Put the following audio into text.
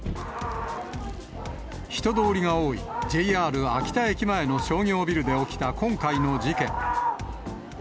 人通りが多い、ＪＲ秋田駅前の商業ビルで起きた今回の事件。